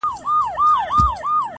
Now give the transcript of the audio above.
• چا ویل چي دا ګړی به قیامت کیږي؟ -